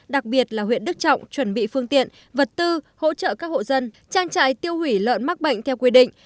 đặc biệt là huyện đức trọng chuẩn bị phương tiện vật tư hỗ trợ các hộ dân trang trại tiêu hủy lợn mắc bệnh theo quy định